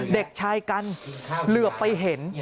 เด็กชายกันเหลือไปเห็น